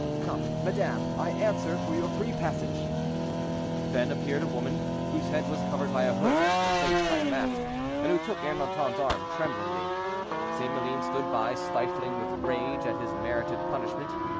Come, madame, I answer for your free passage." Then appeared a woman, whose head was covered by a hood, and her face by a mask, and who took Ernanton's arm, tremblingly. St. Maline stood by, stifling with rage at his merited punishment.